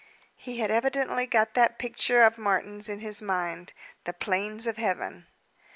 He had evidently got that picture of Martin's in his mind, "The Plains of Heaven."